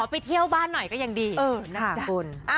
ไปเที่ยวบ้านหน่อยก็ยังดีนะคะคุณ